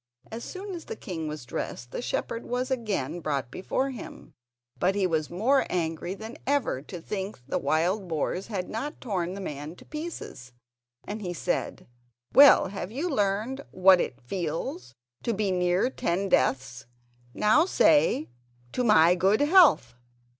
As soon as the king was dressed the shepherd was again brought before him; but he was more angry than ever to think the wild boars had not torn the man to bits, and he said: "Well, you have learned what it feels to be near ten deaths, now say 'To my good health!